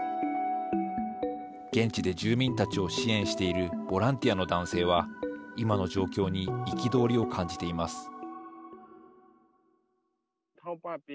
現地で住民たちを支援しているボランティアの男性は今の状況に憤りを感じています。